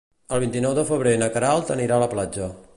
El vint-i-nou de febrer na Queralt anirà a la platja.